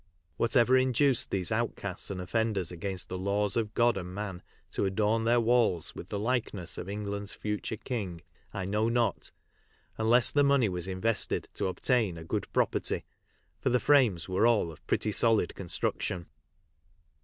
What ever induced these outcasts and offenders against the laws of God and man to adorn their walls with the likeness of England's future king I know not, unless the money was invested to obtain "a good property," for the frames were all of pretty solid construction.